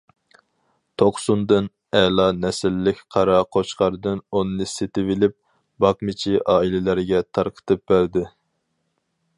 توقسۇندىن ئەلا نەسىللىك قارا قوچقاردىن ئوننى سېتىۋېلىپ، باقمىچى ئائىلىلەرگە تارقىتىپ بەردى.